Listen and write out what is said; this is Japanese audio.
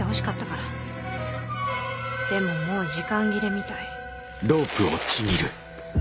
でももう時間切れみたい。